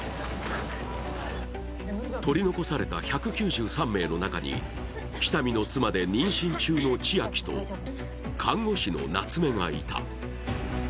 取り残された１９３名の中に、喜多見の妻で妊娠中の千晶と看護師の夏梅がいた。